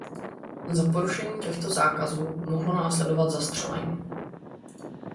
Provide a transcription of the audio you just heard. Za porušení těchto zákazů mohlo následovat zastřelení.